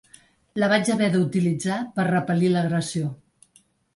La vaig haver d’utilitzar per repel·lir l’agressió.